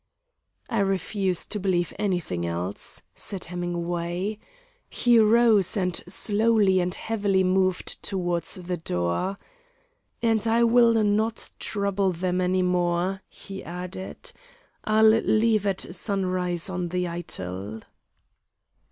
"I refuse to believe anything else!" said Hemingway. He rose, and slowly and heavily moved toward the door. "And I will not trouble them any more," he added. "I'll leave at sunrise on the Eitel."